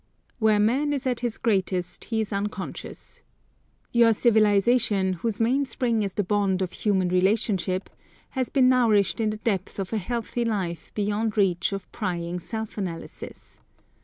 Where man is at his greatest, he is unconscious. Your civilisation, whose mainspring is the bond of human relationship, has been nourished in the depth of a healthy life beyond reach of prying self analysis.